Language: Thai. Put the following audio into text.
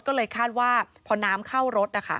แต่คาดว่าพอน้ำเข้ารถ